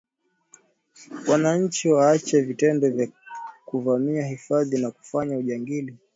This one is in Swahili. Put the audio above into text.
Wananchi waache vitendo vya kuvamia hifadhi na kufanya ujangili